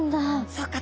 そうか！